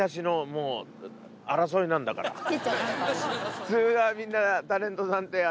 普通はみんな。